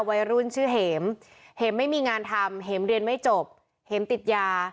วัยรุ่นชื่อเห็มเห็มไม่มีงานทำเห็มเรียนไม่จบเห็มติดยา